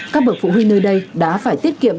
các bậc phụ huynh nơi đây đã phải tiết kiệm